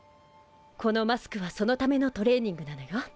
このマスクはそのためのトレーニングなのよ。